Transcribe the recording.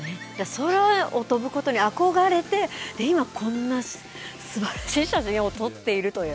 空を飛ぶことに憧れて、今、こんなすばらしい写真を撮っているという。